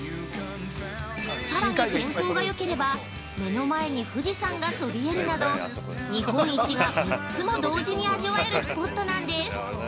さらに天候がよければ目の前に富士山がそびえるなど、日本一が３つも同時に味わえるスポットなんです。